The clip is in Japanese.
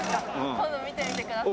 今度見てみてください。